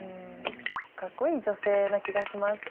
かっこいい女性な気がします。